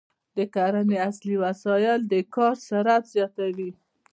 د کرنې عصري وسایل د کار سرعت زیاتوي.